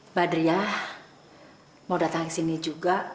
mbak dria mau datang ke sini juga